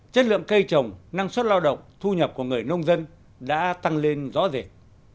chất lượng cây trồng năng suất lao động thu nhập của người nông dân đã tăng lên rõ rệt